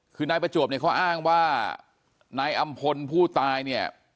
คือนายประจวบเนี่ยเขาอ้างว่านายอำพลผู้ตายเนี่ย